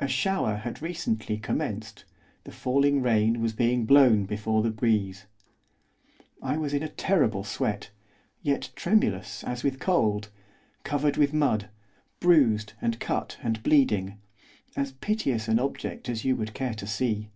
A shower had recently commenced, the falling rain was being blown before the breeze. I was in a terrible sweat, yet tremulous as with cold; covered with mud; bruised, and cut, and bleeding, as piteous an object as you would care to see.